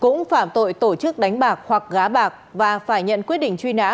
cũng phạm tội tổ chức đánh bạc hoặc gá bạc và phải nhận quyết định truy nã